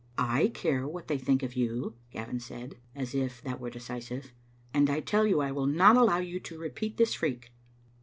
"I care what they think of you," Gavin said, as if that were decisive, " and I tell you I will not allow you to repeat this freak.